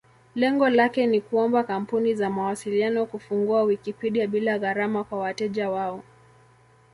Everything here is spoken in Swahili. Lengo lake ni kuomba kampuni za mawasiliano kufungua Wikipedia bila gharama kwa wateja wao.